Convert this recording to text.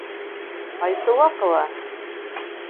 Айсыуаҡова!